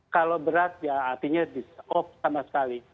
kalau berat artinya off sama sekali